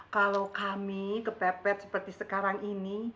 kalau kami kepepet seperti sekarang ini